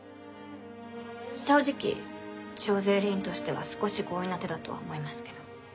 正直徴税吏員としては少し強引な手だとは思いますけど。